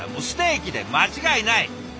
ステーキで間違いない。